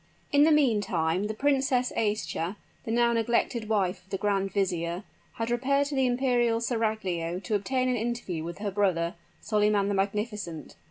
In the meantime the Princess Aischa, the now neglected wife of the grand vizier, had repaired to the imperial seraglio to obtain an interview with her brother, Solyman the Magnificent.